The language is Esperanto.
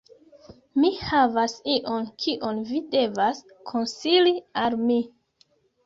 Mi havas ion kion vi devas konsili al mi